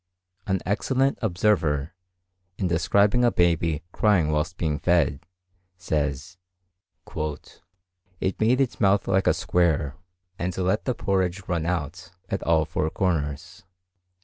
An excellent observer, in describing a baby crying whilst being fed, says, "it made its mouth like a square, and let the porridge run out at all four corners."